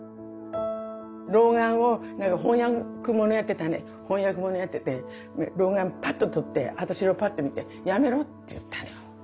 老眼を翻訳ものやってたんで翻訳ものやってて老眼パッと取って私をパッと見て「やめろ」って言ったのよ。